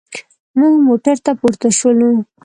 موږ موټر ته پورته شولو.